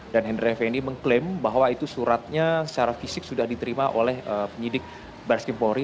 dan henry fnd mengklaim bahwa itu suratnya secara fisik sudah diterima oleh penyidik baris kempori